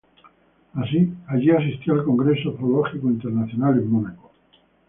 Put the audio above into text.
Allí asistió al congreso zoológico internacional en Mónaco.